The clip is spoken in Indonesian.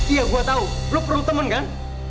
iya gue tau lo perlu temen kan